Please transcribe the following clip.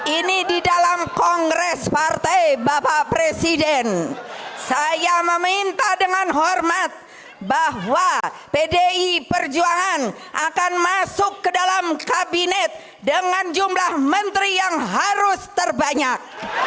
ini di dalam kongres partai bapak presiden saya meminta dengan hormat bahwa pdi perjuangan akan masuk ke dalam kabinet dengan jumlah menteri yang harus terbanyak